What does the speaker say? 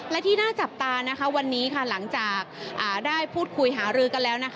และที่น่าจับตาวันนี้หลังจากได้พูดคุยหารือกันแล้ว